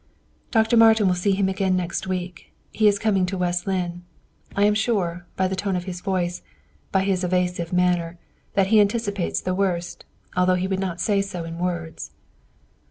"Dr. Martin will see him again next week; he is coming to West Lynne. I am sure, by the tone of his voice, by his evasive manner, that he anticipates the worst, although he would not say so in words."